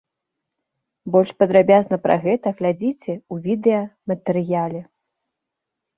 Больш падрабязна пра гэта глядзіце у відэаматэрыяле.